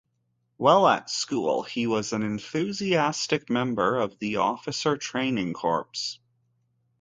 While at School he was an enthusiastic member of the Officer Training Corps.